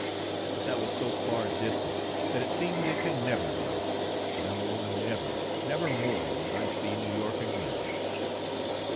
But that was so far distant, that it seemed it could never be. No, never, never more would I see New York again.